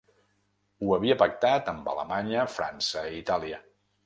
Ho havia pactat amb Alemanya, França i Itàlia.